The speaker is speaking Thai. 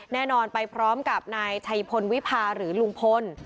แน่นอนไปพร้อมกับนายชัยพลวิพาหรือลุงพล